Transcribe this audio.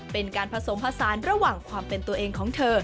เป็นการผสมผสานระหว่างความเป็นตัวเองของเธอ